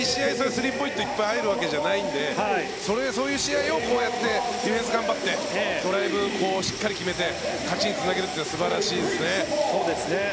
スリーポイントいっぱい入るわけじゃないのでこうやってディフェンス頑張ってドライブしっかり決めて勝ちにつなげるのは素晴らしいですね。